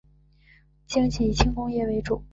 经济以轻工业为主。